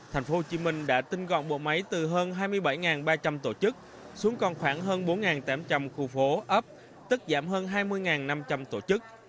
tp hcm đã tinh gọn bộ máy từ hơn hai mươi bảy ba trăm linh tổ chức xuống còn khoảng hơn bốn tám trăm linh khu phố ấp tức giảm hơn hai mươi năm trăm linh tổ chức